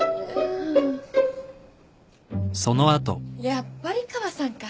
やっぱり川さんか。